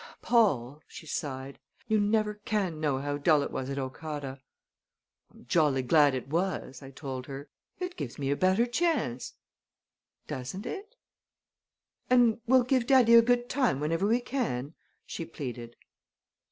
"Paul," she sighed, "you never can know how dull it was at Okata." "I'm jolly glad it was!" I told her. "It gives me a better chance doesn't it?" "And we'll give daddy a good time whenever we can?" she pleaded.